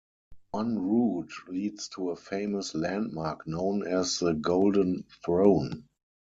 One route leads to a famous landmark known as the Golden Throne.